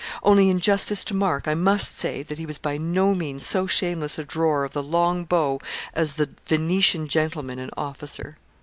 Only in justice to Mark, I must say that he was by no means so shameless a drawer of the long bow as the Venetian gentleman and officer.